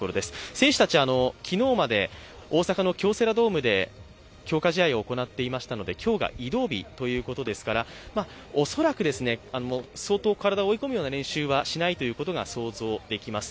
選手たち、昨日まで大阪の京セラドームで強化試合を行っていましたので今日が移動日ということですから、恐らく、相当体を追い込むような練習はしないと想像できます。